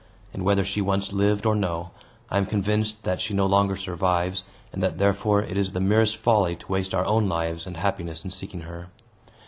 And whether she once lived or no, I am convinced that she no longer survives, and that therefore it is the merest folly to waste our own lives and happiness in seeking her.